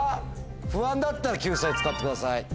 不安だったら救済使ってください。